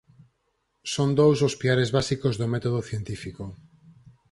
Son dous os piares básicos do método científico.